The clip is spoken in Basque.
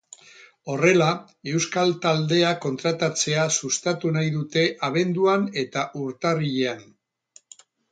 Horrela, euskal taldeak kontratatzea sustatu nahi dute abenduan eta urtarrilean.